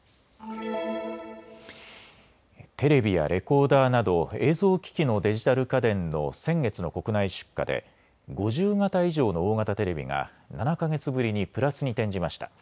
テレビやレコーダーなど映像機器のデジタル家電の先月の国内出荷で５０型以上の大型テレビが７か月ぶりにプラスに転じました。